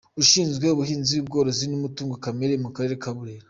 Ushinzwe ubuhinzi, ubworozi n’umutungo kamere mu Karere ka Burera, .